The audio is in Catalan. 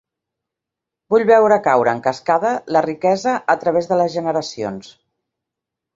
Vull veure caure en cascada la riquesa a través de les generacions.